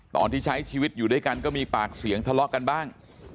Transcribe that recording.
ตอนที่ใช้ชีวิตอยู่ด้วยกันก็มีปากเสียงทะเลาะกันบ้าง